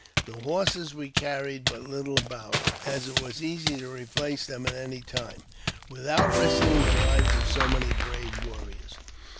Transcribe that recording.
The horses we cared but little about, as it was easy to replace them at any time, without risking the lives of so many brave warriors.